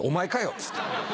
っつって。